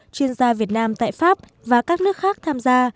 chuyên gia việt nam tại pháp và các nước khác tham gia